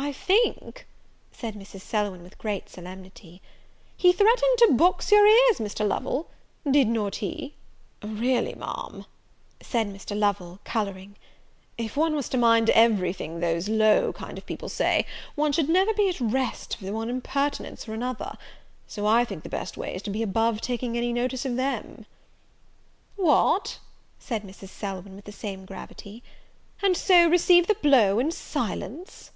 "I think," said Mrs. Selwyn, with great solemnity, "he threatened to box your ears, Mr. Lovel; did not he?" "Really, Ma'am," said Mr. Lovel, colouring, "if one was to mind every thing those low kind of people say, one should never be at rest for one impertinence or other; so I think the best way is to be above taking any notice of them." "What," said Mrs. Selwyn, with the same gravity, "and so receive the blow in silence!"